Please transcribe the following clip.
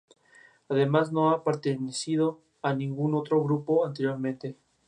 La pareja vivió en la residencia del príncipe en Bangkok, el Palacio de Sukhothai.